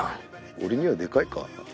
俺にはデカいか。